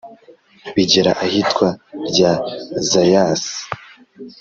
bigera ahitwa rya zayasi